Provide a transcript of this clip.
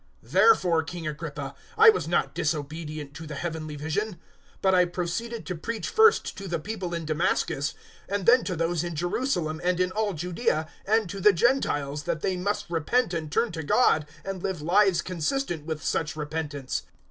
026:019 "Therefore, King Agrippa, I was not disobedient to the heavenly vision; 026:020 but I proceeded to preach first to the people in Damascus, and then to those in Jerusalem and in all Judaea, and to the Gentiles, that they must repent and turn to God, and live lives consistent with such repentance.